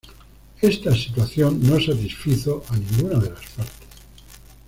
Esta situación no satisfizo a ninguna de las partes.